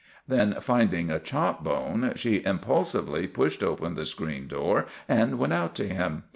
Then, finding a chop bone, she impulsively pushed open the screen door and went out to him.